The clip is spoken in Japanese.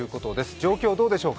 状況はどうでしょうか。